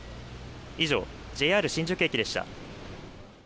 以上、ＪＲ新宿駅でした。